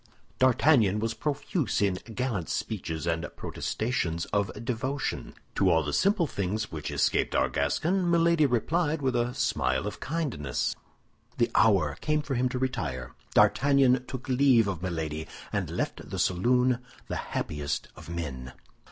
D'Artagnan was profuse in gallant speeches and protestations of devotion. To all the simple things which escaped our Gascon, Milady replied with a smile of kindness. The hour came for him to retire. D'Artagnan took leave of Milady, and left the saloon the happiest of men.